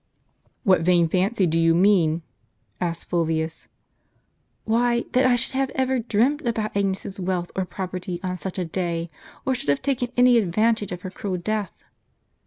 "What vain fancy do you mean? " asked Fulvius. "Why, that I should have ever dreamt about Agnes's wealth or property on such a day, or should have taken any advantage of her cruel death."